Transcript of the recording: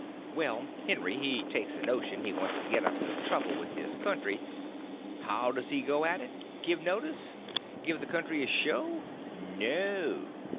Well, Henry he takes a notion he wants to get up some trouble with this country. How does he go at it—give notice?—give the country a show? No.